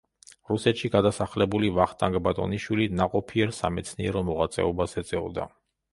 რუსეთში გადასახლებული ვახტანგ ბატონიშვილი ნაყოფიერ სამეცნიერო მოღვაწეობას ეწეოდა.